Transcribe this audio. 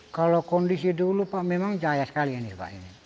kalau kondisi dulu pak memang cahaya sekali ini pak